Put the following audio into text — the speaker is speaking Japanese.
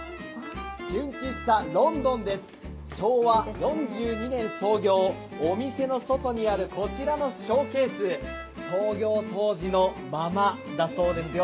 純喫茶ロンドンです昭和４２年創業、お店の外にあるこちらのショーケース、創業当時のままだそうですよ。